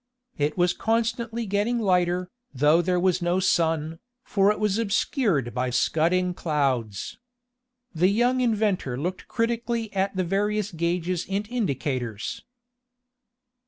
It was constantly getting lighter, though there was no sun, for it was obscured by scudding clouds. The young inventor looked critically at the various gages and indicators.